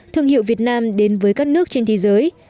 thương hiệu việt nam đến với các nước trên thế giới